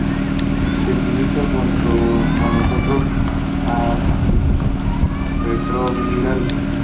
Se utiliza junto con otros antirretrovirales.